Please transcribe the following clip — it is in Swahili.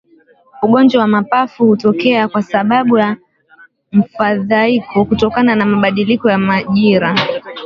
Ugonjwa wa mapafu hutokea kwa sababu ya mfadhaiko kutokana na mabadiliko ya majira